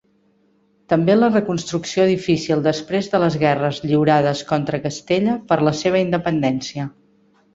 També la reconstrucció difícil després de les guerres lliurades contra Castella per la seva independència.